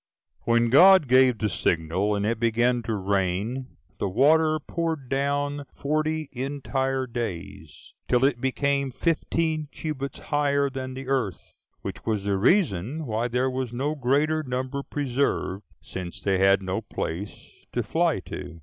15 5. When God gave the signal, and it began to rain, the water poured down forty entire days, till it became fifteen cubits higher than the earth; which was the reason why there was no greater number preserved, since they had no place to fly to.